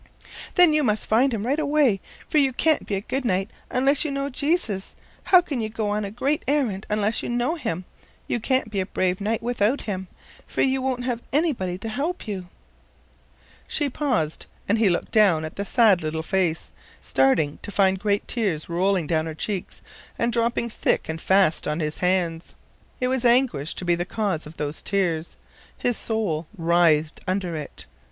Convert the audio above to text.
"Then you must find him right away, for you can't be a good knight unless you know Jesus. How can you go on a great errand unless you know him? You can't be a brave knight without him, for you won't have anybody to help you." She paused, and he looked down at the sad little face, starting to find great tears rolling down her cheeks and dropping thick and fast on his hands. It was anguish to be the cause of those tears. His soul writhed under it.